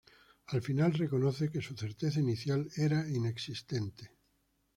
Al final reconoce que su certeza inicial era inexistente.